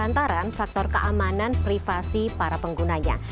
antara faktor keamanan privasi para penggunanya